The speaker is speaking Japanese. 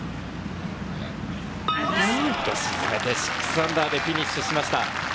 沈めて−６でフィニッシュしました。